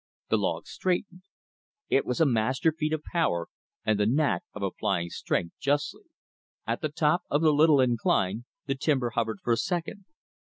The log straightened. It was a master feat of power, and the knack of applying strength justly. At the top of the little incline, the timber hovered for a second.